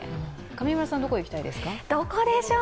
上村さん、どこに行きたいですか？